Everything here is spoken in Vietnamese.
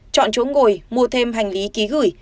chọn chỗ ngồi mua thêm hành lý ký gửi